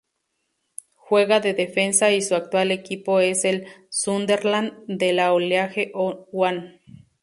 Juega de defensa y su actual equipo es el Sunderland de la League One.